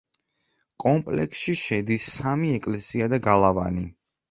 კომპლექსში შედის სამი ეკლესია და გალავანი.